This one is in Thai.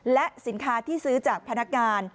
และสินค้าที่ซื้อจากพนักงาน